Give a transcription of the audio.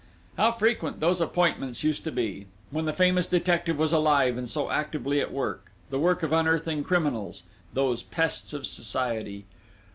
How frequent those appointments used to be, when the famous detective was alive and so actively at work the work of unearthing criminals those pests of society!